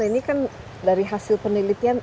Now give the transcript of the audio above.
ini kan dari hasil penelitian